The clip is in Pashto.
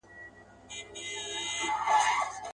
یو گوزار يې ورته ورکړ ناگهانه.